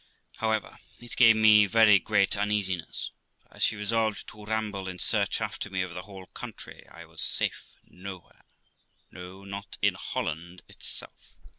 However, it gave me very great uneasiness; for as she resolved to ramble in search after rne over the whole country, I was safe nowhere, no, not in Holland itself.